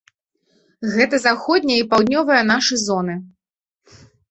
Гэта заходняя і паўднёвая нашы зоны.